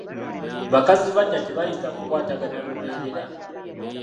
Bakazi baggya tebayinza kukwatagana lubeerera.